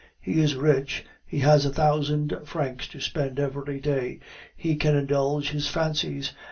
He is rich! He has a thousand francs to spend every day; he can indulge his fancies!